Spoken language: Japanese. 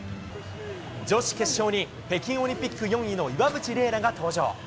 女子決勝に北京オリンピック４位の岩渕麗楽が登場。